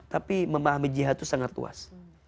tapi memahami jihad itu sangat luas